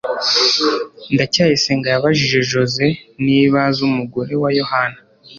ndacyayisenga yabajije joze niba azi umugore wa yohana